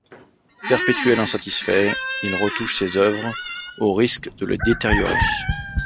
Perpétuel insatisfait, il retouche ses œuvres au risque de les détériorer.